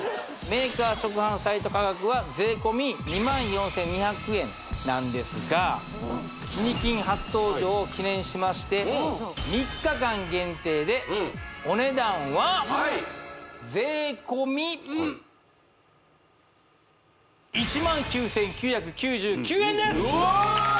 メーカー直販サイト価格は税込２４２００円なんですがキニ金初登場を記念しまして３日間限定でお値段は税込１９９９９円です！